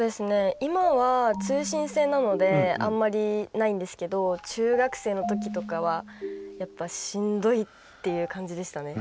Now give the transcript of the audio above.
今は通信制なのであんまりないんですけど中学生のときとかはしんどいっていう感じでしたね。